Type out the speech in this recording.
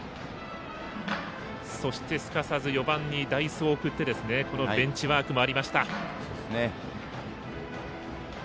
そして、すかさず４番に代走を送ってこのベンチワークもありました。